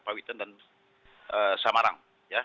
pahwitan dan samarang